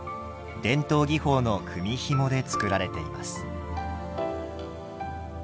伝統技法の組みひもで作られています。